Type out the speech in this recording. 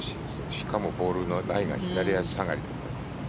しかもボールのライが左足下がり。